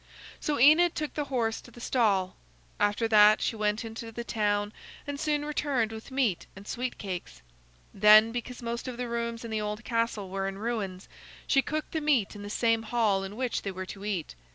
So Enid took the horse to the stall. After that, she went into the town and soon returned with meat and sweet cakes. Then, because most of the rooms in the old castle were in ruins, she cooked the meat in the same hall in which they were to eat.